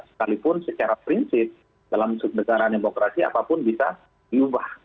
sekalipun secara prinsip dalam negara demokrasi apapun bisa diubah